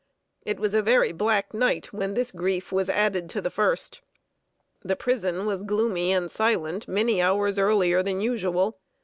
It was a very black night when this grief was added to the first. The prison was gloomy and silent many hours earlier than usual.